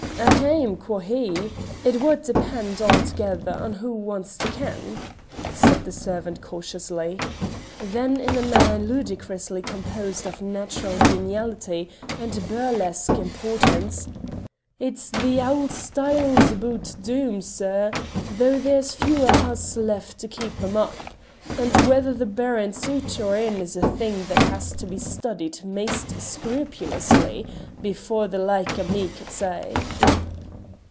"At hame, quo' he! It wad depend a'thegether on wha wants to ken," said the servant cautiously. Then in a manner ludicrously composed of natural geniality and burlesque importance, "It's the auld styles aboot Doom, sir, though there's few o' us left to keep them up, and whether the Baron's oot or in is a thing that has to be studied maist scrupulously before the like o' me could say."